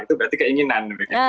itu berarti keinginan